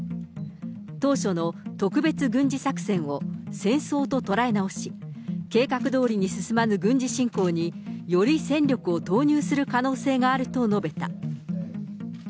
当初の特別軍事作戦を、戦争と捉え直し、計画どおりに進まぬ軍事侵攻に、より戦力を投入する可能性があると述べた。